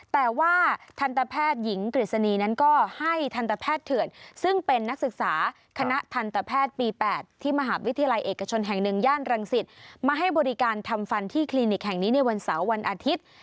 แต่ว่าทันตแพทย์หญิงกฤษณีย์นั้นก็ให้ทันตแพทย์เถื่อนซึ่งเป็นนักศึกษาคณะทันตแพทย์ปี๘ที่มหาวิทยาลัยเอกชนแห่ง๑ย่านรังสิตมาให้บริการทำฟันที่คลินิกแห่งนี้ในวันเสาร์วันอาทิตย์